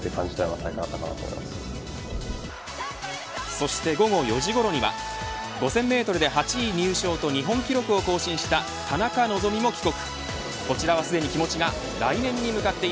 そして、午後４時ごろには５０００メートルで８位入賞と日本記録を更新した田中希実も帰国。